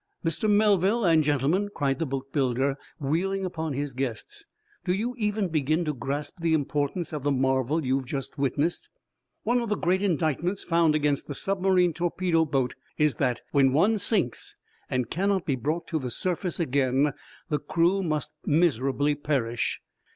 "Mr. Melville, and gentlemen," cried the boatbuilder, wheeling upon his guests, "do you even begin to grasp the importance of the marvel you have just witnessed? One of the great indictments found against the submarine torpedo boat is that, when one sinks and cannot be brought to the surface again, the crew must miserably perish.